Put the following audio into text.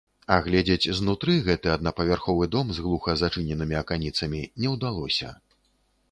Агледзець знутры гэты аднапавярховы дом з глуха зачыненымі аканіцамі не ўдалося.